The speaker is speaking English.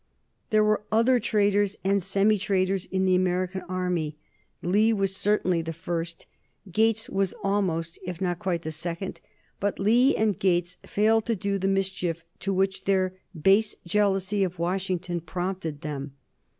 There were other traitors and semi traitors in the American army: Lee was certainly the first; Gates was almost, if not quite, the second. But Lee and Gates failed to do the mischief to which their base jealousy of Washington prompted them.